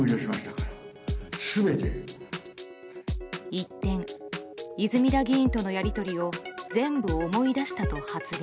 一転、泉田議員とのやり取りを全部思い出したと発言。